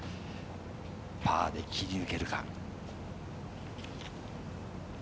パーで切り抜けられるか？